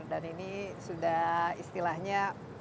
dan ini sudah istilahnya